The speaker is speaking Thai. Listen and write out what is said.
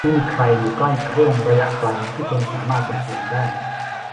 ไม่มีใครอยู่ใกล้กับเครื่องระยะไกลที่คุณสามารถส่งเสียงได้ ?